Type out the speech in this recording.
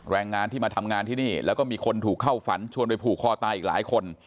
แรงงานที่มาทำงานที่นี่แล้วก็มีคนถูกเข้าฝันชวนไปผูกคอตายอีกหลายคน